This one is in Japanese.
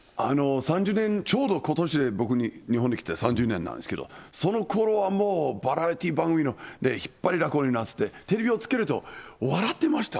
３０年、ちょうどことしで僕、日本に来て３０年なんですけれども、そのころはもう、バラエティ番組で引っ張りだこになってて、テレビをつけると、笑ってました。